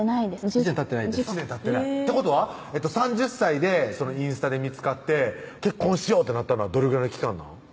１年たってないですってことは３０歳でインスタで見つかって結婚しようってなったのはどれぐらいの期間なん？